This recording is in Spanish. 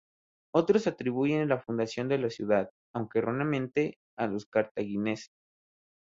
Otros atribuyen la fundación de la ciudad, aunque erróneamente, a los cartagineses.